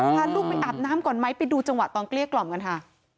พาลูกไปอาบน้ำก่อนไหมไปดูจังหวะตอนเกลี้ยกล่อมกันค่ะ